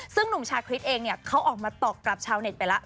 ซึ่งหนุ่มชาคริสเองเนี่ยเขาออกมาตอบกลับชาวเน็ตไปแล้ว